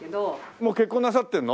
もう結婚なさってるの？